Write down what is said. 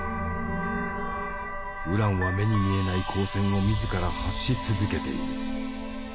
ウランは目に見えない光線を自ら発し続けている。